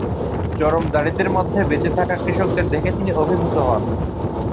চরম দারিদ্র্যের মধ্যে বেঁচে থাকা কৃষকদের দেখে তিনি অভিভূত হন।